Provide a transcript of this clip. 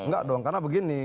enggak dong karena begini